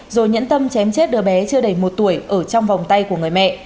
rồi nhẫn tâm chém chết đưa bé chưa đầy một tuổi ở trong vòng tay của người mẹ